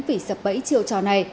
vì sập bẫy chiều trò này